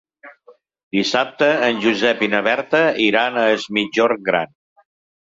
Dissabte en Josep i na Berta iran a Es Migjorn Gran.